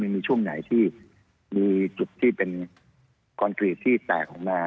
มีจุดที่เป็นกอนกรีตที่แตกออกมา